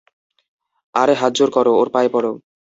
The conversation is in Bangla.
আরে হাতজোর কর, ওর পায়ে পড়।